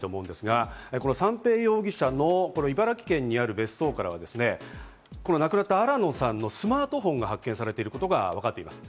三瓶容疑者の茨城県にある別荘からは、亡くなった新野さんのスマートフォンが発見されていることがわかっています。